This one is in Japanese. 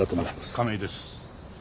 亀井です。